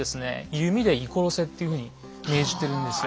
弓で射殺せっていうふうに命じてるんですよ。